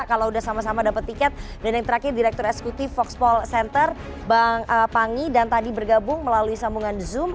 kalau udah sama sama dapat tiket dan yang terakhir direktur eksekutif foxpol center bang pangi dan tadi bergabung melalui sambungan zoom